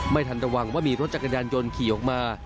ไม่ทันระวังว่ามีรถจักรยานยนต์ขี่ออกมา